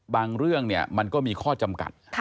เรื่องมันก็มีข้อจำกัด